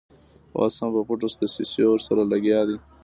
اوس هم په پټو دسیسو ورسره لګیا دي.